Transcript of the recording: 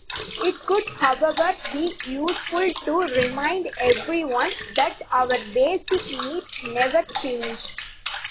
It could however be useful to remind everyone that our basic needs never change.